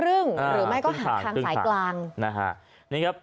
หรือไม่ก็หากทางสายกลาง